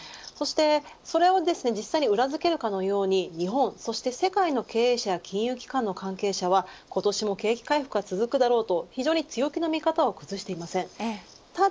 そして実際に裏付けるかのように日本世界の経営者や金融機関の関係者は今年も景気回復は続くだろうと非常に強気の見方を崩していません。